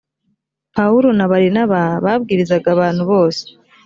pawulo na barinaba babwirizaga abantu bose